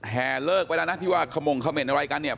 เลิกไปแล้วนะที่ว่าขมงเขม่นอะไรกันเนี่ย